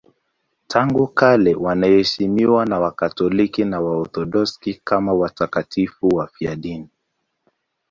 Tangu kale wanaheshimiwa na Wakatoliki na Waorthodoksi kama watakatifu wafiadini.